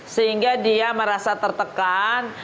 sehingga dia merasa tertekan